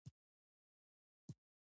دا عامل د سیاستوالو تر منځ خنډ جوړوي.